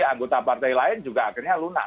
anggota partai lain juga akhirnya lunak